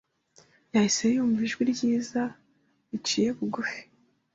yahise yumva ijwi ryiza riciye bugufi